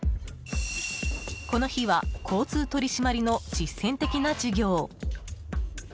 この日は、交通取り締まりの実践的な授業。